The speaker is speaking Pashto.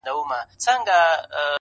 بس د څو خوږو یارانو ځای خالي دی